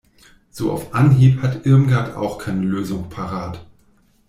So auf Anhieb hat Irmgard auch keine Lösung parat.